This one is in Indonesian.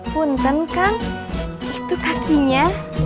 punten kan itu kakinya